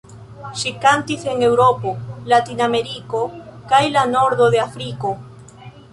Ŝi kantis en Eŭropo, Latinameriko kaj la nordo de Afriko.